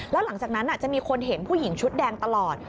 แล้วหลังจากนั้นจะมีคนเห็นผู้หญิงชุดแดงตลอด